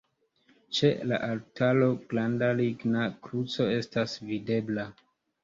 Ĉe la altaro granda ligna kruco estas videbla.